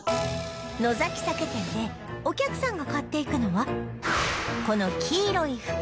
野崎酒店でお客さんが買っていくのはこの黄色い袋